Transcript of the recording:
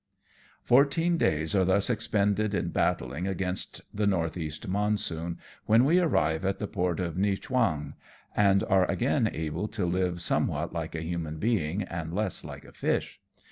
Fourteen days are thus expended in battling against the north east monsoon, when we arrive at the port of Niewchwang, and are again able to live some what like a human being and less like a fish.